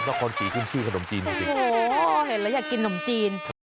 ก็ควรสีขึ้นชื่อขนมจริงโอ้โหเห็นแล้วอยากกินนมจริง